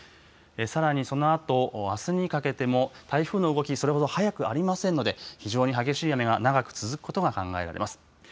さらにそのあと、あすにかけても、台風の動き、それほど早くありませんので、非常に激しい雨が長く続くことが考えられます。